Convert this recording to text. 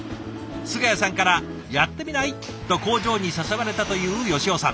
菅谷さんから「やってみない？」と工場に誘われたという吉尾さん。